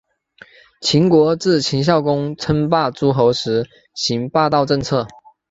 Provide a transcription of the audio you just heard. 秦国自秦孝公称霸诸候时行霸道政策。